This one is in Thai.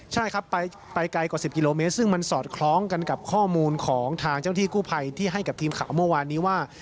ใช่ครับไปไกลกว่า๑๐กิโลเมตรซึ่งมันสอดคล้องกันกับข้อมูลของทางเจ้าหน้าที่กู้ภัยที่ให้กับทีมข่าวเมื่อวานนี้ว่า